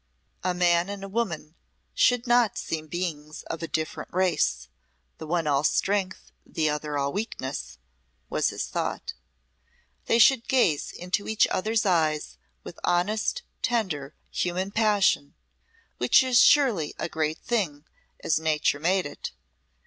"A man and woman should not seem beings of a different race the one all strength, the other all weakness," was his thought. "They should gaze into each other's eyes with honest, tender human passion, which is surely a great thing, as nature made it.